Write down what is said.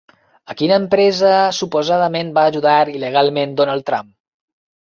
A quina empresa suposadament va ajudar il·legalment Donald Trump?